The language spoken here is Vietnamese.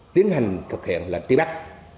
tiến hành thực hiện lệnh trí bắt